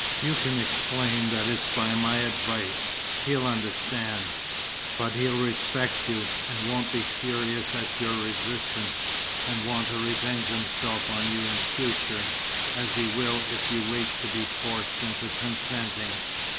You can explain that it's by my advice. He'll understand. But he'll respect you, and won't be furious at your resistance, and want to revenge himself on you in future, as he will if you wait to be forced into consenting."